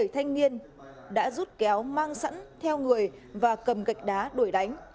bảy thanh niên đã rút kéo mang sẵn theo người và cầm gạch đá đuổi đánh